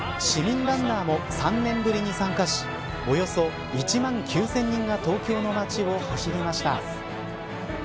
市民ランナーも３年ぶりに参加しおよそ１万９０００人が東京の街を走りました。